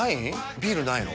ビールないの？